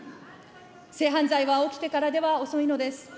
性犯罪は起きてからでは遅いのです。